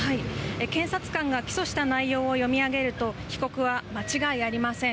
検察官が起訴した内容を読み上げると、被告は間違いありません。